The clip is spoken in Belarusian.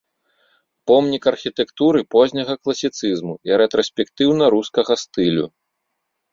Помнік архітэктуры позняга класіцызму і рэтраспектыўна-рускага стылю.